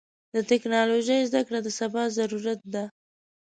د ټکنالوژۍ زدهکړه د سبا ضرورت ده.